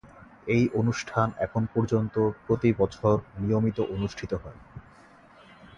এই অনুষ্ঠান এখন পর্যন্ত প্রতি বছর নিয়মিত অনুষ্ঠিত হয়।